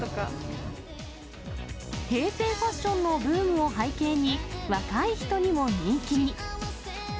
平成ファッションのブームを背景に、若い人にも人気に。